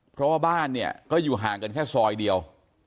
เพราะว่าบ้านเนี่ยก็อยู่ห่างกันแค่ซอยเดียว